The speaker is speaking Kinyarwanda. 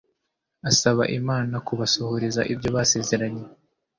asaba Imana kubasohoreza ibyo yasezeranye